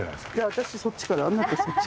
私そっちからあなたそっち。